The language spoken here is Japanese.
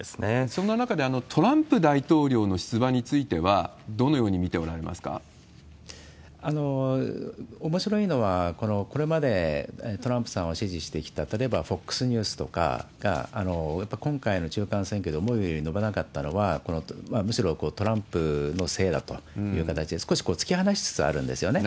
そんな中で、トランプ大統領の出馬については、おもしろいのは、これまでトランプさんを支持してきた、例えばＦＯＸニュースとか、やっぱり今回の中間選挙で思うように伸びなかったのは、むしろトランプのせいだという形で、少し突き放しつつあるんですよね。